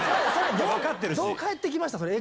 どう返ってきました？